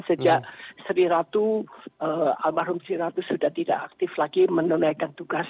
sejak sri ratu almarhum siratu sudah tidak aktif lagi menunaikan tugas